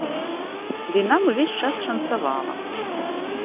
Ды і нам увесь час шанцавала.